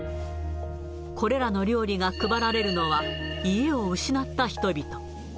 これらの料理が配られるのは、家を失った人々。